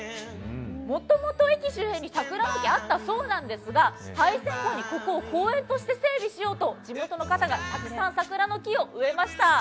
もともと駅周辺に桜の木はあったそうなんですが廃線後に、ここを公園として整備しようと地元の方がたくさん桜の木を植えました。